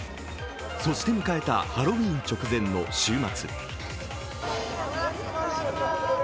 そして迎えたハロウィーン直前の週末。